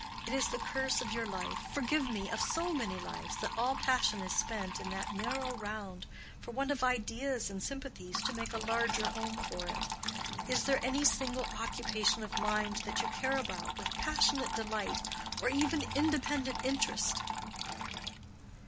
It is the curse of your life—forgive me—of so many lives, that all passion is spent in that narrow round, for want of ideas and sympathies to make a larger home for it. Is there any single occupation of mind that you care about with passionate delight or even independent interest?"